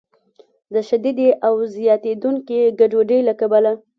د شدیدې او زیاتیدونکې ګډوډۍ له کبله